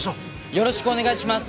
よろしくお願いします！